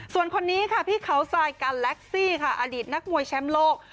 ส่วนคนนี้ค่ะพี่เขาทรายกันแล็กซี่ค่ะอดีตนักมวยแชมป์โลก